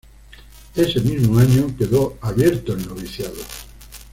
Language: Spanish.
Ese mismo año quedó abierto el noviciado.